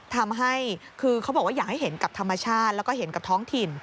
ทำให้คือเขาบอกว่าอยากให้เห็นกับธรรมชาติแล้วก็เห็นกับท้องถิ่น